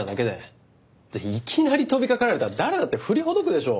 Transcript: いきなり飛びかかられたら誰だって振りほどくでしょう。